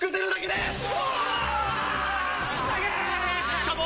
しかも。